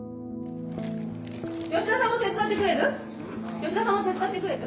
吉田さんも手伝ってくれる？